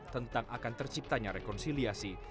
tentang akan terciptanya rekonsiliasi